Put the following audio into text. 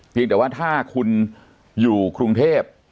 เพียงแต่ว่าถ้าคุณอยู่กรุงเทพ